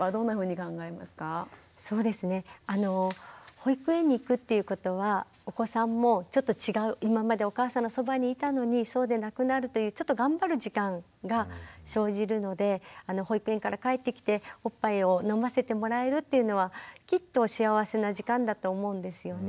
保育園に行くっていうことはお子さんもちょっと違う今までお母さんのそばにいたのにそうでなくなるというちょっと頑張る時間が生じるので保育園から帰ってきておっぱいを飲ませてもらえるっていうのはきっと幸せな時間だと思うんですよね。